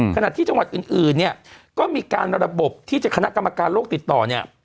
ขณะที่จังหวัดอื่นเนี่ยก็มีการระบบที่จะคณะกรรมการโลกติดต่อเนี่ย